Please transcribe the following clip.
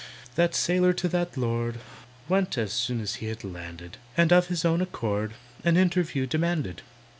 That sailor to that Lord Went, soon as he had landed, And of his own accord An interview demanded.